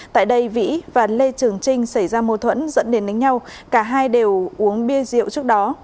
tại đây vĩ và lê trường trinh xảy ra mô thuẫn dẫn đến đánh nhau cả hai đều uống bia rượu trước đó